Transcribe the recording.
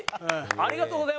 ありがとうございます。